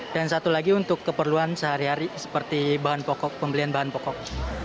dan satu lagi untuk keperluan sehari hari seperti bahan pokok pembelian bahan pokok